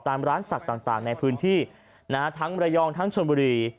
ตามร้านศักดิ์ต่างในพื้นที่ทั้งระยองทั้งชนบุรี